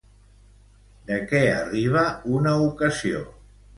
De què arriba una ocasió?